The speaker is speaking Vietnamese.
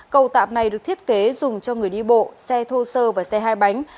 cầu tạm này được thiết kế dùng cho người đi bộ xe thô sơ và xe hai bánh